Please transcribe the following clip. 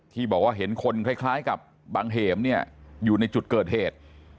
ที่บอกว่าเห็นคนคล้ายกับบังเหมเนี่ยอยู่ในจุดเกิดเหตุ